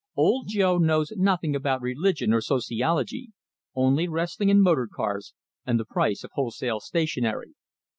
Old Joe knows nothing about religion or sociology only wrestling and motor cars, and the price of wholesale stationery.